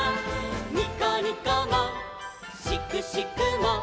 「にこにこもしくしくも」